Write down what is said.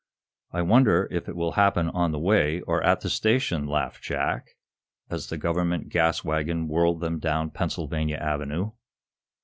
"I wonder if it will happen on the way, or at the station?" laughed Jack, as the government gas wagon whirled them down Pennsylvania Avenue.